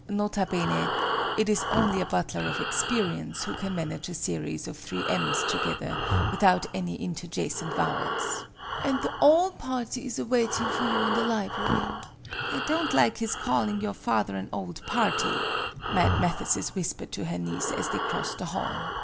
(N.B. It is only a butler of experience who can manage a series of three M's together, without any interjacent vowels.) "And the ole party is a waiting for you in the libery." "I don't like his calling your father an old party," Mad Mathesis whispered to her niece, as they crossed the hall.